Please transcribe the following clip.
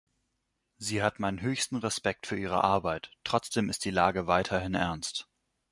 Sie hat meinen höchsten Respekt für Ihre Arbeit, trotzdem ist die Lage weiterhin ernst.